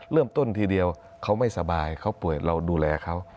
ทีเดียวเขาไม่สบายเขาป่วยเราดูแลเขา